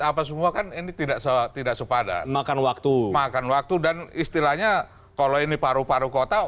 apa semua kan ini tidak sewa tidak sepadan makan waktu makan waktu dan istilahnya kalau ini paru paru kota